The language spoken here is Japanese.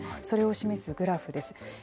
それを示すグラフです。